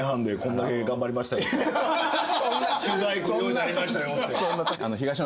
取材来るようになりましたよって。